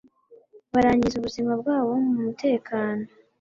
barangiza ubuzima bwabo mu mutekano